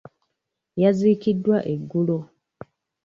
Yaziikiddwa eggulo.